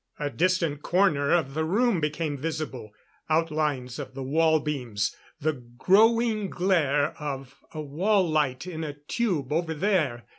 A distant corner of the room became visible; outlines of the wall beams; the growing glare of a wall light in a tube over there.